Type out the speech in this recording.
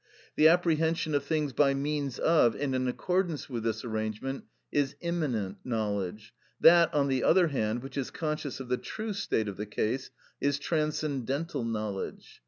The apprehension of things by means of and in accordance with this arrangement is immanent knowledge; that, on the other hand, which is conscious of the true state of the case, is transcendental knowledge.